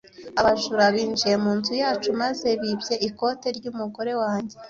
Abajura binjiye mu nzu yacu maze bibye ikote ry’umugore wanjye.